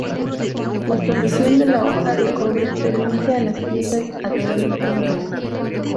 La solución de la hoja de cobre permite a las piezas adherir juntas.